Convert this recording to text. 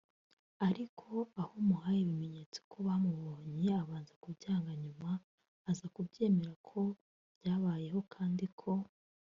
ariko aho muhaye ibimenyetso ko bamubonye abanza kubyanga nyuma aza kubinyemerera ko byabayeho kandi ko